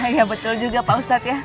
iya betul juga pak ustadz ya